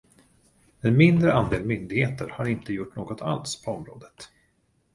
En mindre andel myndigheter har inte gjort något alls på området.